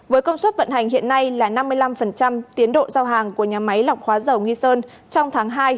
với công suất vận hành hiện nay là năm mươi năm tiến độ giao hàng của nhà máy lọc hóa dầu nghi sơn trong tháng hai